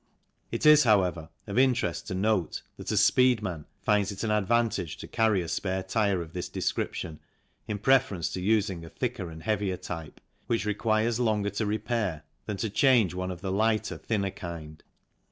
It is, however, of interest to note that a " speedman " finds it an advantage to carry a spare tyre of this description in preference to using a thicker and heavier type, which requires longer to repair, than to change one of the lighter, thinner kind.